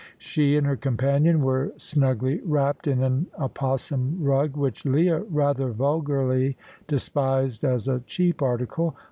She and her companion were snugly wrapped in an opossum rug, which Leah, rather vulgarly, despised as a cheap article.